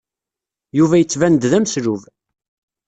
Yuba yettban-d d ameslub.